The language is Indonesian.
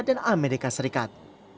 dan amerika serikat